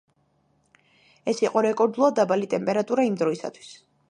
ეს იყო რეკორდულად დაბალი ტემპერატურა იმ დროისთვის.